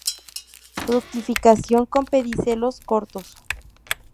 Fructificación con pedicelos cortos.